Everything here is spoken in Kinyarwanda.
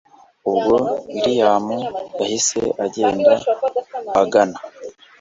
ubwo william yahise agenda agana